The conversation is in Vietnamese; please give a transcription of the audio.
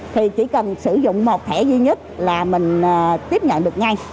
thì chỉ cần sử dụng một thẻ duy nhất là mình tiếp nhận được ngay